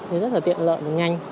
thì rất là tiện lợi và nhanh